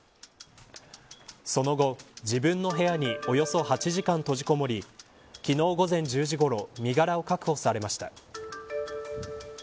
その後、自分の部屋におよそ８時間閉じこもり昨日午前１０時ごろ身柄を確保されました。